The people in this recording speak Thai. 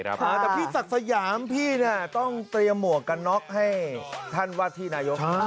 แต่พี่ศักดิ์สยามพี่ต้องเตรียมหมวกกันน็อกให้ท่านวาดที่นายก